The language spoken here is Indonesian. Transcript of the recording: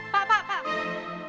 pak pak pak